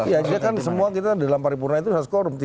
ya jadi kan semua kita dalam paripurna itu harus korum